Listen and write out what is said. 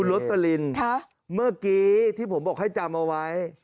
โรสลินเมื่อกี้ที่ผมบอกให้จำเอาไว้